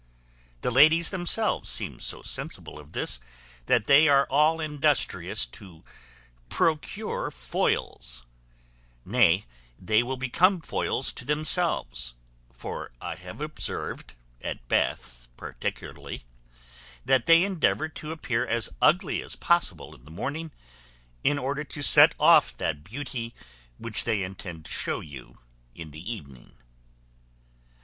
The ladies themselves seem so sensible of this, that they are all industrious to procure foils: nay, they will become foils to themselves; for I have observed (at Bath particularly) that they endeavour to appear as ugly as possible in the morning, in order to set off that beauty which they intend to show you in the evening.